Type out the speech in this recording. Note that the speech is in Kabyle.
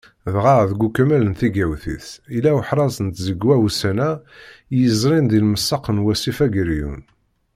Dɣa, deg ukemmel n tigawt-is, yella uḥraz n tẓegwa ussan-a yezrin di lemsaq n wasif Ageryun.